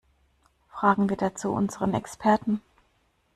Fragen wir dazu unseren Experten.